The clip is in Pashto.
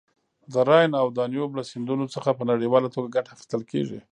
د راین او دانوب له سیندونو څخه په نړیواله ټوګه ګټه اخیستل کیږي.